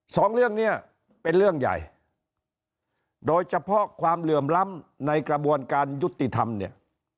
สองเรื่องเนี่ยเป็นเรื่องใหญ่โดยเฉพาะความเหลื่อมล้ำในกระบวนการยุติธรรมเนี่ย